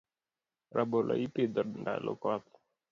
Rabolo ipidho ndalo koth.